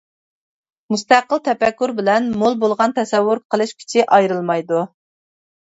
مۇستەقىل تەپەككۇر بىلەن مول بولغان تەسەۋۋۇر قىلىش كۈچى ئايرىلمايدۇ.